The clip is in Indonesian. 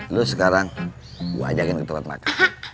lo sekarang gue ajakin ke tempat makan